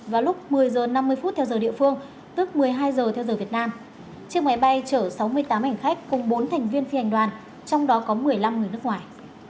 vào lúc một mươi h năm mươi theo giờ địa phương tức một mươi hai giờ theo giờ việt nam chiếc máy bay chở sáu mươi tám ảnh khách cùng bốn thành viên phi hành đoàn trong đó có một mươi năm người nước ngoài